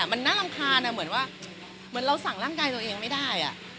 มันน่ารำคาญเหมือนว่าเหมือนเราสั่งร่างกายตัวเองไม่ได้